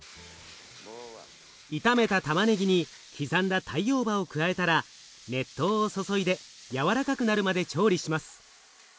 炒めたたまねぎに刻んだタイオーバを加えたら熱湯を注いで軟らかくなるまで調理します。